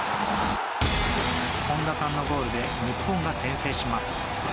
本田さんのゴールで日本が先制します。